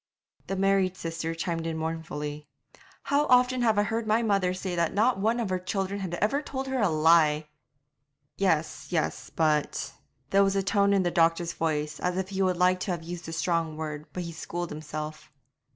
The married sister chimed in mournfully, 'How often have I heard my mother say that not one of her children had ever told her a lie!' 'Yes, yes, but ' There was a tone in the doctor's voice as if he would like to have used a strong word, but he schooled himself.